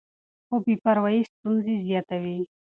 خو بې پروايي ستونزې زیاتوي.